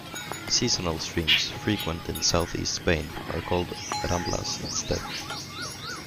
Seasonal streams, frequent in south-east Spain, are called "ramblas" instead.